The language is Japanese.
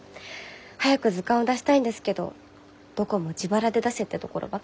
早く図鑑を出したいんですけどどこも自腹で出せってところばかりで。